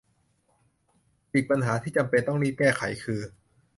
อีกปัญหาที่จำเป็นต้องรีบแก้ไขคือ